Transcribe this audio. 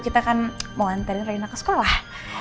kita kan mau nganterin raina ke sekolah